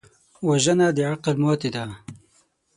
وژنه د عقل ماتې ده